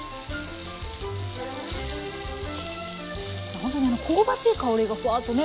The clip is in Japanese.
ほんとにあの香ばしい香りがふわっとね